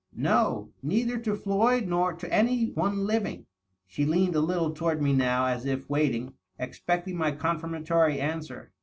" No — neither to Floyd nor to any one living." She leaned a little toward me, now, as if waiting, expecting my confirmatory answer.